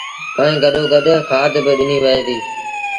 ائيٚݩ گڏو گڏ کآڌ با ڏنيٚ وهي ديٚ